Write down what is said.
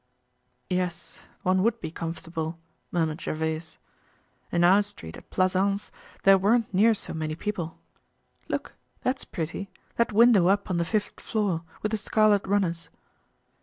"Yes, one would be comfortable," murmured Gervaise. "In our street at Plassans there weren't near so many people. Look, that's pretty—that window up on the fifth floor, with the scarlet runners."